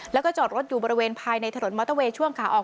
แล้วก็จอดรถอยู่บริเวณภายในถนนมอเตอร์เวย์ช่วงขาออก